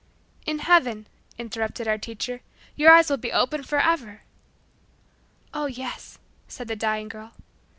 "In Heaven," interrupted our teacher, "your eyes will be open forever." "Oh, yes," said the dying girl.